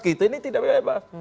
kita ini tidak bebas